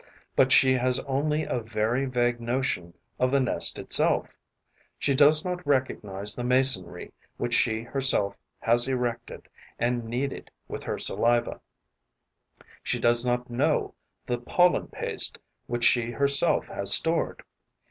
But she has only a very vague notion of the nest itself. She does not recognize the masonry which she herself has erected and kneaded with her saliva; she does not know the pollen paste which she herself has stored.